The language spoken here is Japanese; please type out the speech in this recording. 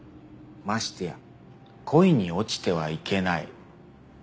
ましてや恋に落ちてはいけない。